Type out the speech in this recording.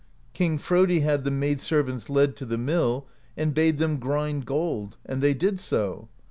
King Frodi had the maid servants led to the mill, and bade them grind gold ; and they did so.